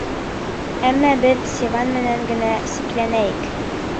Әммә беҙ Севан менән генә сикләнәйек.